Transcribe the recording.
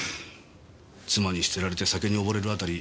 妻に捨てられて酒に溺れるあたり